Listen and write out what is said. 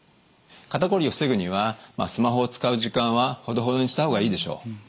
肩こりを防ぐにはスマホを使う時間はほどほどにした方がいいでしょう。